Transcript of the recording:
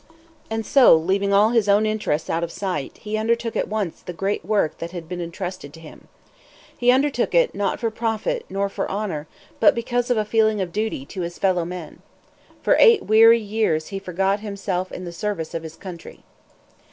And so, leaving all his own interests out of sight, he undertook at once the great work that had been entrusted to him. He undertook it, not for profit nor for honor, but because of a feeling of duty to his fellow men. For eight weary, years he forgot himself in the service of his country.